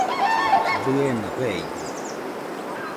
Dɨena feidɨo